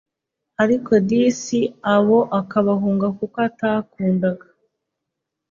ariko disi abo akabahunga kuko atakundaga